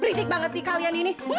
berisik banget nih kalian ini